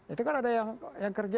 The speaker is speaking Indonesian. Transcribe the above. itu kan ada yang kerja